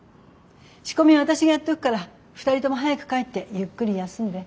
仕込みは私がやっておくから２人とも早く帰ってゆっくり休んで。